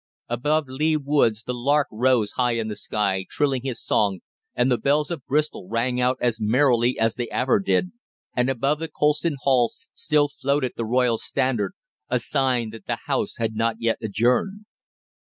Above Leigh Woods the lark rose high in the sky, trilling his song, and the bells of Bristol rang out as merrily as they ever did, and above the Colston Hall still floated the Royal Standard a sign that the House had not yet adjourned.